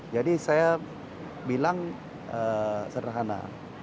jadi saya bilang sederhana